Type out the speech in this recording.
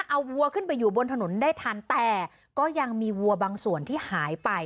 เอาวัวขึ้นไปอยู่บนถนนได้ทันแต่ก็ยังมีวัวบางส่วนที่หายไป